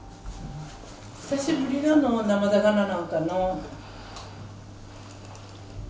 久しぶりだのう生魚なんかのう。